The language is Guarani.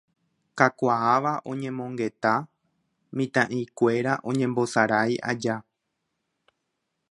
Kakuaáva oñemongeta mitã'ikuéra oñembosarái aja